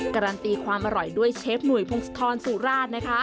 การันตีความอร่อยด้วยเชฟหนุ่ยพงศธรสุราชนะคะ